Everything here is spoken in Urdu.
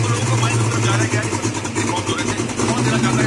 جیسے ہمیں پتہ ہے۔